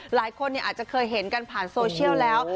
หลายคนอาจจะเคยเห็นกันผ่านโซเชียลแล้ว